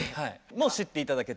もう知っていただけてる